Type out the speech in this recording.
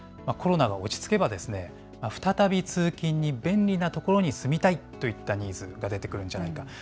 コロナが落ち着けば、再び通勤に便利な所に住みたいといったニーズが出てくるんじゃないか。